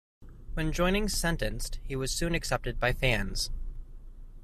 When joining Sentenced he was soon accepted by fans.